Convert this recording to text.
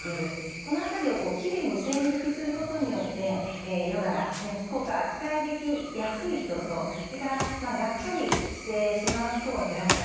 この辺りをきれいに線引きすることによってヨガがね効果が期待できやすい人とそれからがっかりしてしまう人を減らしたい。